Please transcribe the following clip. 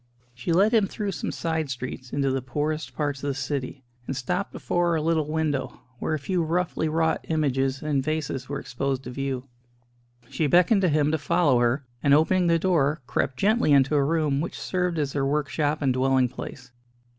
She led him through some side streets into the poorest parts of the city, and stopped before a little window, where a few roughly wrought images and vases were exposed to view. She beckoned to him to follow her, and opening the door, crept gently into a room which served as their workshop and dwelling place.